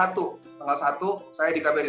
salah satu saya di kbri